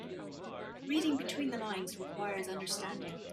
Reading between the lines requires understanding.